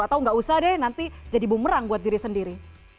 atau nggak usah deh nanti jadi bumerang buat diri sendiri